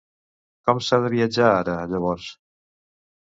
Com s'ha de viatjar ara, llavors?